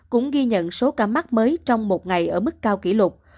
cũng ghi nhận số ca mắc mới trong một ngày ở mức cao kỷ lục